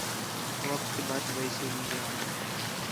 وخت بچ ویسے مینجا